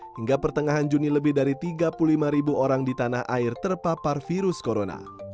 hingga pertengahan juni lebih dari tiga puluh lima ribu orang di tanah air terpapar virus corona